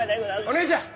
お姉ちゃん